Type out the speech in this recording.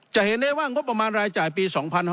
จะเห็นได้ว่างบประมาณรายจ่ายปี๒๕๕๙